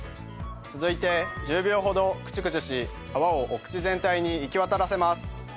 続いて１０秒ほどクチュクチュし泡をお口全体に行きわたらせます。